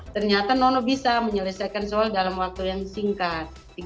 ternyata nono bisa menyelesaikan soal dalam waktu yang singkat